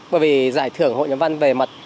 bởi vì giải thưởng hội nhóm văn về mặt